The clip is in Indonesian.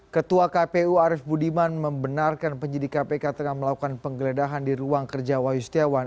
ketua kpu arief budiman membenarkan penyidik kpk tengah melakukan penggeledahan di ruang kerja wahyu setiawan